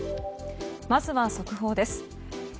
まずは速報です。